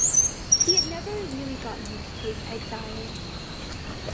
He had never really got used to his exile.